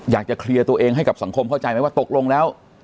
อยากจะเคลียร์ตัวเองให้กับสังคมเข้าใจไหมว่าตกลงแล้ว